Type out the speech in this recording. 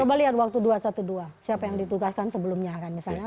coba lihat waktu dua ratus dua belas siapa yang ditugaskan sebelumnya kan misalnya